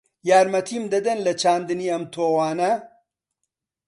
یارمەتیم دەدەن لە چاندنی ئەم تۆوانە؟